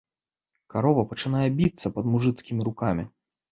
Карова пачынае біцца пад мужыцкімі рукамі.